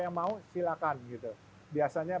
yang mau silakan gitu biasanya